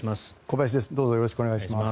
よろしくお願いします。